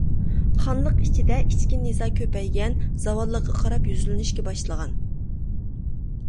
خانلىق ئىچىدە ئىچكى نىزا كۆپەيگەن، زاۋالىققا قاراپ يۈزلىنىشكە باشلىغان.